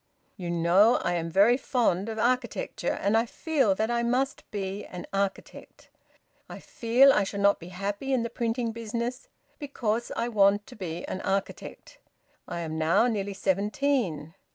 You know I am very fond of architecture, and I feel that I must be an architect. I feel I shall not be happy in the printing business because I want to be an architect. I am now nearly seventeen.